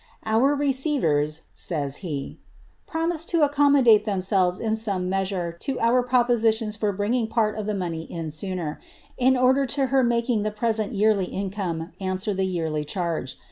^ Our receivers," says he, ^ promise to accommodate themselves in some measure to our propositions for bringing part of the money in sooner, in order to her making the present yearly income answer the yearly charge.